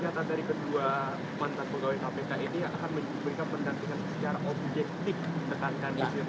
dan secara objektif tetapkan disitu